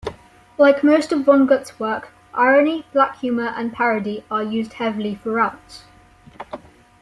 Like most of Vonnegut's work, irony, black humor and parody are used heavily throughout.